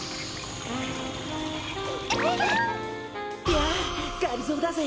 やあがりぞーだぜ！